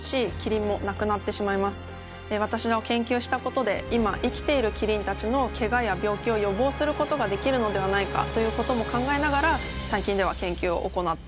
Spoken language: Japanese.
私の研究したことで今生きているキリンたちのけがや病気を予防することができるのではないかということも考えながら最近では研究を行っています。